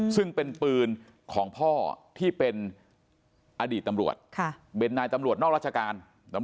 ซึ่งเป็นปืนของพ่อที่เป็นอดีตตำรวจเป็นนายตำรวจนอกราชการ